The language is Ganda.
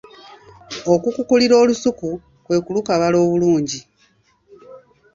Okukukulira olusuku kwe kulukabala obulungi